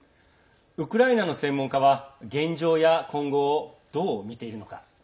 ウクライナの専門家は現状や今後を、どう見ているのか。